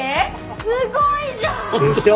すごいじゃん！でしょ？